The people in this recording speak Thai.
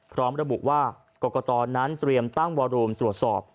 พร้อมระบุว่ากรกตนั้นเตรียมตั้งวอรูมตรวจสอบ